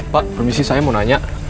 pak permisi saya mau nanya